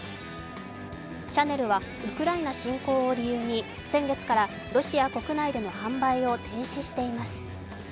シャネルはウクライナ侵攻を理由に先月からロシア国内での販売を停止しています。